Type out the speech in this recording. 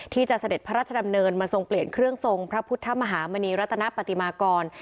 เสด็จพระราชดำเนินมาทรงเปลี่ยนเครื่องทรงพระพุทธมหามณีรัตนปฏิมากร